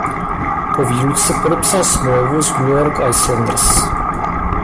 Po výluce podepsal smlouvu s New York Islanders.